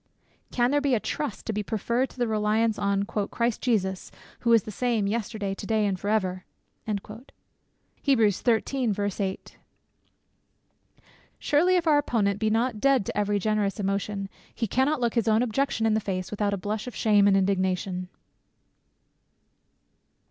Can there be a trust to be preferred to the reliance on "Christ Jesus; who is the same yesterday, to day, and for ever?" Surely, if our Opponent be not dead to every generous emotion, he cannot look his own objection in the face, without a blush of shame and indignation.